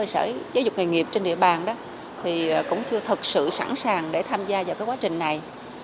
các sở giáo dục nghề nghiệp trên địa bàn đó thì cũng chưa thật sự sẵn sàng để tham gia vào cái quá trình này